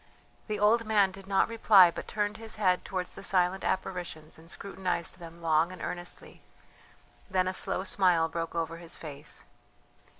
The old man did not reply, but turned his head towards the silent apparitions and scrutinized them long and earnestly, then a slow smile broke over his face.